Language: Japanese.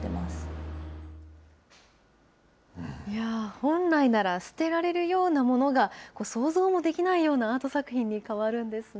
本来なら捨てられるようなものが、想像もできないようなアート作品に変わるんですね。